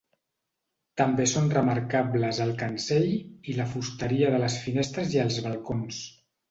També són remarcables el cancell i la fusteria de les finestres i els balcons.